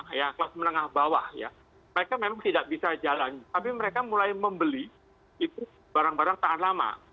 karena kelas menengah bawah ya mereka memang tidak bisa jalan tapi mereka mulai membeli itu barang barang tahan lama